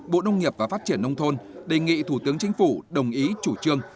bộ nông nghiệp và phát triển nông thôn đề nghị thủ tướng chính phủ đồng ý chủ trương